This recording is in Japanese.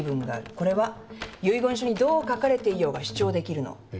これは遺言書にどう書かれていようが主張できるの。